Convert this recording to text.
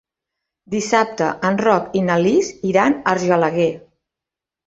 Dissabte en Roc i na Lis iran a Argelaguer.